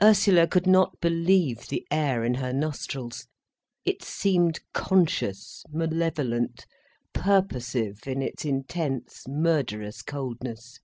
Ursula could not believe the air in her nostrils. It seemed conscious, malevolent, purposive in its intense murderous coldness.